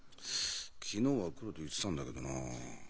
昨日は「来る」と言ってたんだけどなあ。